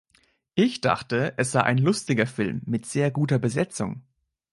Ich dachte, es sei ein lustiger Film mit sehr guter Besetzung.